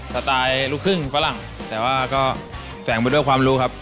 สไตล์ลูกครึ่งฝรั่งแต่ว่าก็แฝงไปด้วยความรู้ครับ